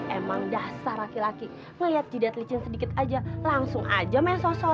emang dasar laki laki ngeliat jidat licin sedikit aja langsung aja mensosor